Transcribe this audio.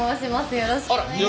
よろしくお願いします。